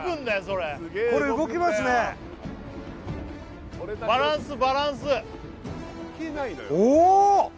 それバランスバランスおおー！